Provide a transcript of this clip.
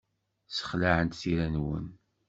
Ssexlaɛent tira-nwen.